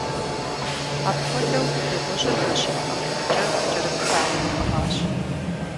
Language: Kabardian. Апхуэдэу дыгъужьыр жэщитӏ-махуитӏкӏэ кӏэрыпхауэ яӏыгъащ.